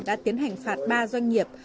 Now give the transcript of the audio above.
đã tiến hành phạt ba doanh nghiệp